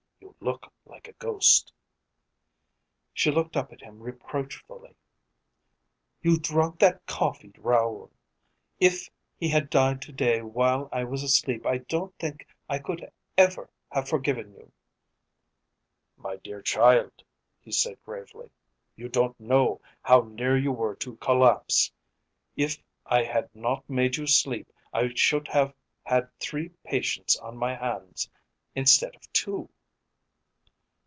"You look like a ghost." She looked up at him reproachfully. "You drugged that coffee, Raoul. If he had died to day while I was asleep I don't think I could ever have forgiven you." "My dear child," he said gravely, "you don't know how near you were to collapse. If I had not made you sleep I should have had three patients on my hands instead of two."